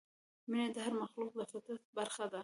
مینه د هر مخلوق د فطرت برخه ده.